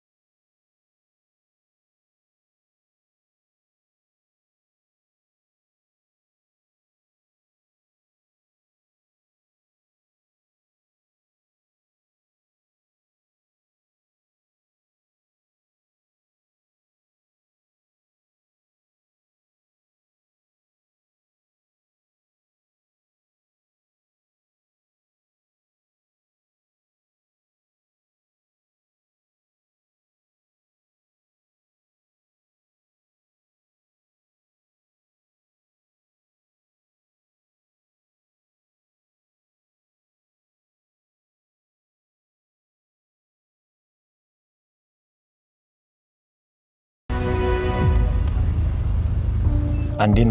ntar dulu mas